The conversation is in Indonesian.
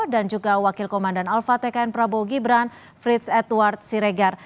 dan juga wakil komandan alfa tkn prabowo gibran frits edward siregar